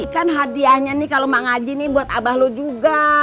kan hadiahnya nih kalau mau ngaji nih buat abah lu juga